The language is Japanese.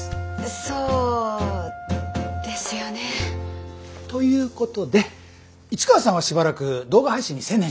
そうですよね。ということで市川さんはしばらく動画配信に専念して。